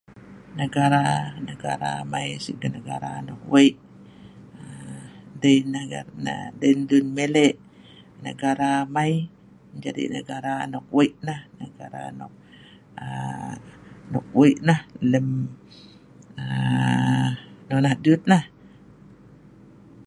Negara negara amai si negara nok wei' aaa dei' nah rat neh endei nah lun meleh negara amai jadi negara nok wei' nah negara kira nok wei' nah aaa lem nonoh dut lah